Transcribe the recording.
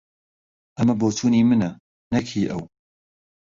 ئەمە بۆچوونی منە، نەک هی ئەو.